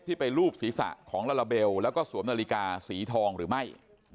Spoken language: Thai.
ไปรูปศีรษะของลาลาเบลแล้วก็สวมนาฬิกาสีทองหรือไม่